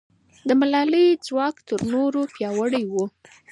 د ملالۍ ځواک تر نورو پیاوړی و.